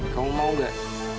kamu mau gak